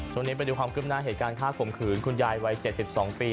ช่วงนี้ไปดูความคืบหน้าเหตุการณ์ฆ่าข่มขืนคุณยายวัย๗๒ปี